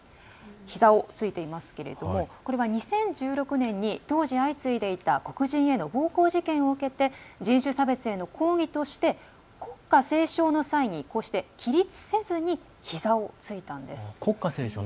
ひざをついていますけれどもこれは２０１６年に当時、相次いでいた黒人への暴行事件を受けて人種差別への抗議として国歌斉唱の際に起立せずにひざをついたんです。